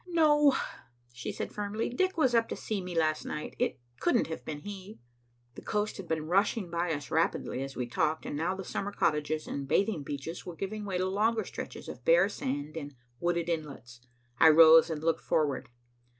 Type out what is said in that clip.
"No," she said firmly. "Dick was up to see me last night. It couldn't have been he." The coast had been rushing by us rapidly as we talked, and now the summer cottages and bathing beaches were giving way to longer stretches of bare sand and wooded inlets. I rose and looked forward.